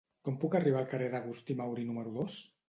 Com puc arribar al carrer d'Agustí Mauri número dos?